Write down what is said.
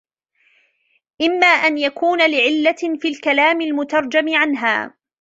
إمَّا أَنْ يَكُونَ لِعِلَّةٍ فِي الْكَلَامِ الْمُتَرْجَمِ عَنْهَا